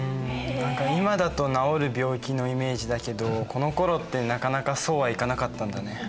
何か今だと治る病気のイメージだけどこのころってなかなかそうはいかなかったんだね。